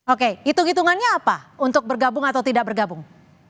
oke hitung hitungannya apa untuk bergabung atau tidak bergabung